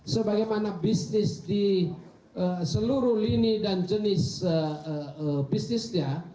sebagai mana bisnis di seluruh lini dan jenis bisnisnya